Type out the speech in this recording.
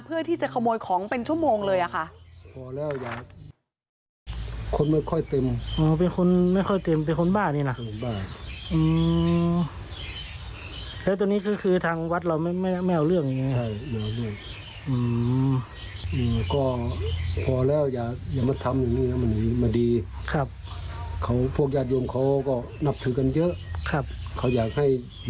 เพื่อที่จะขโมยของเป็นชั่วโมงเลยค่ะ